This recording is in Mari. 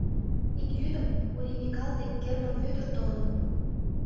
Ик йӱдым Кури Микал дек Герман Вӧдыр толын.